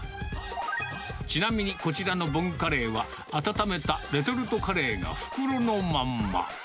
ちなみにこちらのボンカレーは、温めたレトルトカレーが袋のまんま。